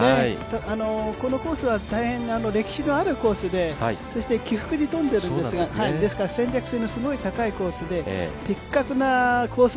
このコースは大変歴史があるコースでそして起伏に富んでいますので、戦略性の高いコースで的確なコース